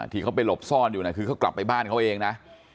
ที่เขาไปหลบซ่อนอยู่คือเขากลับไปบ้านเขาเองนะ